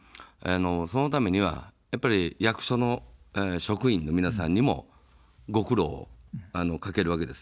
そのためにはやっぱり役所の職員の皆さんにもご苦労をかけるわけです。